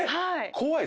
怖い。